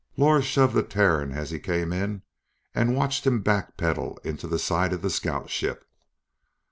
Lors shoved the Terran as he came in and watched him backpedal into the side of the scout ship.